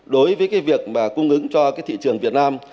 đối với cái việc mà cung ứng cho cái thị trường việt nam